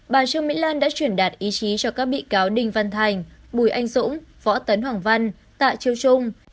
bà trương mỹ lan đã truyền đạt ý chí cho các bị cáo đinh văn thành bùi anh dũng võ tấn hoàng văn tạ chiêu trung